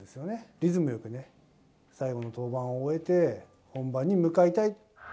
リズムよくね、最後の登板を終えて、本番に向かいたい。